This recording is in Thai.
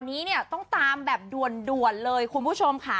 นี้เนี่ยต้องตามแบบด่วนเลยคุณผู้ชมค่ะ